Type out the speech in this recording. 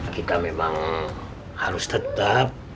kita memang harus tetap